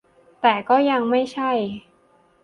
แต่ก็ยังไม่ใช่